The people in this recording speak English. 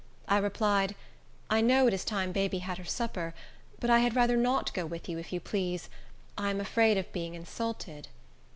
I replied, "I know it is time baby had her supper, but I had rather not go with you, if you please. I am afraid of being insulted."